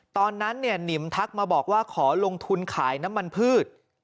ตอนนั้นหนิมทักมาบอกว่าขอลงทุนขายน้ำมันพืช